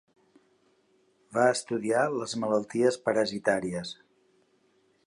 Va estudiar les malalties parasitàries.